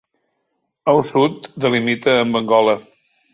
Al sud delimita amb Angola.